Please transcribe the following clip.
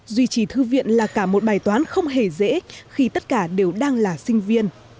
duy trì thư viện là cả một bài toán không hề dễ khi tất cả đều đang là sinh viên